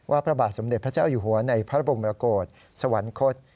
พระบาทสมเด็จพระเจ้าอยู่หัวในพระบรมโกศสวรรคต